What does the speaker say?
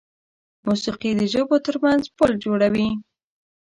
موسیقي د ژبو تر منځ پل جوړوي.